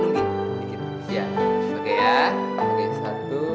dia itu sudah janda